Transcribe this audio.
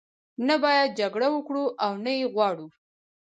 نه باید جګړه وکړو او نه یې وغواړو.